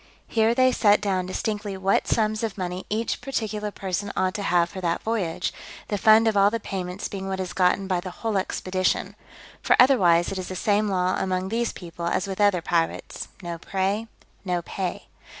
Here they set down distinctly what sums of money each particular person ought to have for that voyage, the fund of all the payments being what is gotten by the whole expedition; for otherwise it is the same law among these people as with other pirates. No prey, no pay.